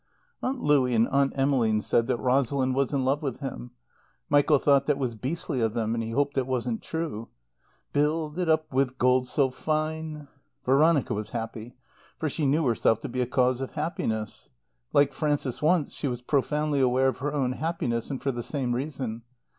Aunt Louie and Aunt Emmeline said that Rosalind was in love with him. Michael thought that was beastly of them and he hoped it wasn't true. "'Build it up with gold so fine'" Veronica was happy; for she knew herself to be a cause of happiness. Like Frances once, she was profoundly aware of her own happiness, and for the same reason.